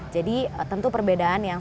jadi tentu perbedaan yang